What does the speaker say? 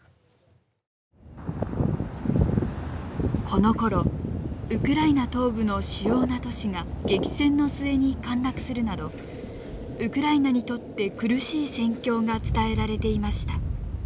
このころウクライナ東部の主要な都市が激戦の末に陥落するなどウクライナにとって苦しい戦況が伝えられていました。